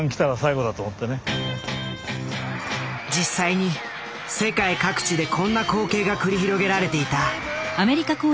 実際に世界各地でこんな光景が繰り広げられていた。